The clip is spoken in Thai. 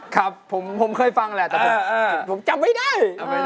ครับผมเคยฟังแหละแต่ว่าผมจำไม่ได้